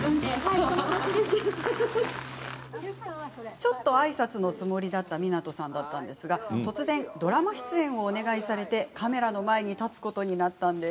ちょっとあいさつのつもりだった湊さんですが突然ドラマ出演をお願いされカメラの前に立つことになったんです。